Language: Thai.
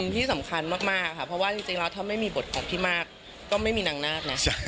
ที่สำคัญมากค่ะเพราะว่าจริงแล้วถ้าไม่มีบทของพี่มากก็ไม่มีนางนาคนะ